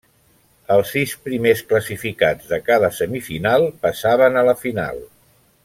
Els sis primers classificats de cada semifinal passaven a la final.